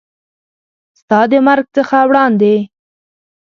ستا د مرګ څخه وړاندې